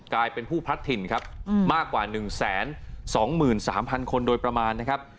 กลายเป็นผู้พัดถิ่นครับมากกว่า๑๒๓๐๐คนโดยประมาณนะครับ